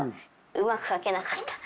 うまく描けなかった。